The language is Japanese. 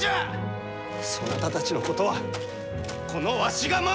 そなたたちのことはこのわしが守る！